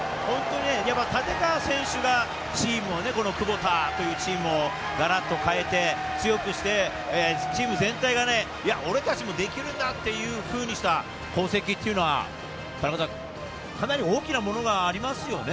立川選手がチームをね、このクボタというチームをガラっと変えて、強くして、チーム全体がね、俺たちもできるんだというふうにした功績というのは、かなり大きなものがありますよね。